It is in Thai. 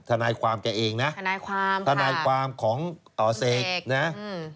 ทนายความแกเองนะทนายความทนายความของอ่าเสกนะอืม